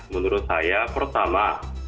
menurut saya pertama